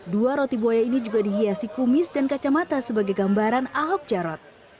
dua roti buaya ini juga dihiasi kumis dan kacamata sebagai gambaran ahok jarot